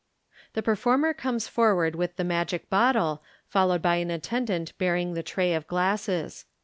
The performer comes forward with the magic bottle, followed by an attendant bearing the tray of glasses.